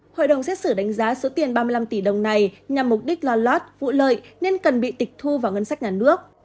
hội đồng xét xử đánh giá số tiền ba mươi năm tỷ đồng này nhằm mục đích lo lót vụ lợi nên cần bị tịch thu vào ngân sách nhà nước